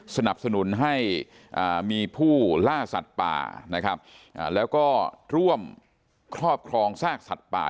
สนับสนุนให้มีผู้ล่าสัตว์ป่านะครับแล้วก็ร่วมครอบครองซากสัตว์ป่า